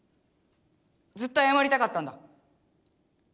ずっとあやまりたかったんだ。